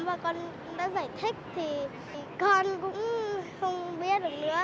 và con cũng đã giải thích thì con cũng không biết được nữa